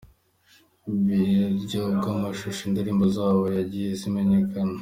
buryo bwamashusho indirimbo zabo zagiye zimenyekana.